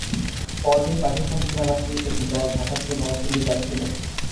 পরদিন পাকিস্তান সেনাবাহিনীর একটি দল ঢাকা থেকে নরসিংদী যাচ্ছিল।